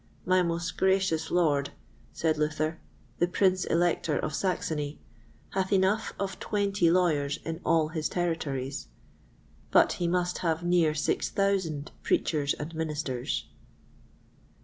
My most gracious Lord, said Luther, the Prince Elector of Saxony, hath enough of twenty Lawyers in all his territories, but he must have near six thousand Preachers and Ministers.